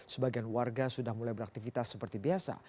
sebagian warga sudah mulai beraktivitas seperti biasa